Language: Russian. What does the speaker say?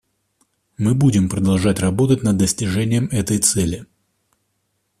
Мы будем продолжать работать над достижением этой цели.